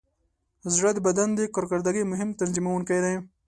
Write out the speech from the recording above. زړه د بدن د کارکردګۍ مهم تنظیموونکی دی.